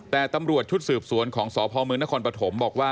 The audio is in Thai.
แต่ตำรวจชุดสืบสวนของสพมนครปฐมบอกว่า